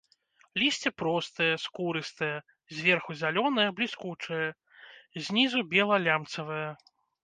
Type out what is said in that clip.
Лісце простае, скурыстае, зверху зялёнае, бліскучае, знізу бела-лямцавае.